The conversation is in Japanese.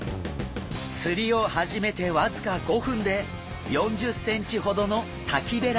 釣りを始めて僅か５分で４０ｃｍほどのタキベラをゲット！